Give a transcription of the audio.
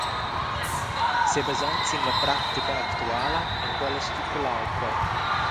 Sebasond sin la pratica actuala han quellas stipulau quei.